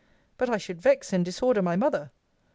But I should vex and disorder my mother!